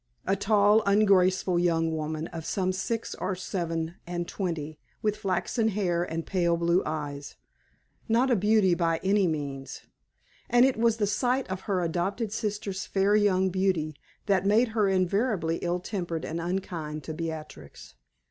A tall ungraceful young woman of some six or seven and twenty with flaxen hair and pale blue eyes not a beauty by any means. And it was the sight of her adopted sister's fair young beauty that made her invariably ill tempered and unkind to Beatrix.